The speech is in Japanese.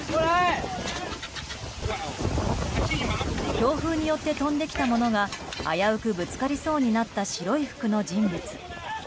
強風によって飛んできたものが危うくぶつかりそうになった白い服の人物。